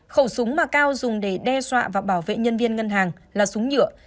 khẩu súng mà cao dùng để đe dọa và bảo vệ nhân viên ngân hàng là súng nhựa